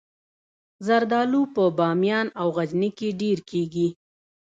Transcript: زردالو په بامیان او غزني کې ډیر کیږي